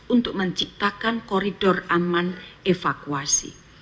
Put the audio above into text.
untuk menciptakan koridor aman evakuasi